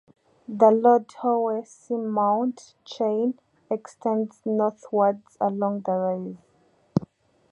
The Lord Howe Seamount Chain extends northwards along the rise.